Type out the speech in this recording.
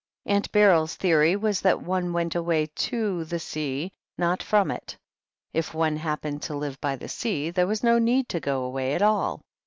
Aunt Beryl's the ory was that one went away to the sea, not from it. If one happened to live by the sea, there was no need to go away at all.